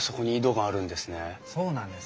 そうなんです。